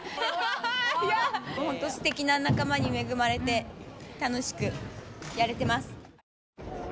すてきな仲間に恵まれて楽しくやれてます。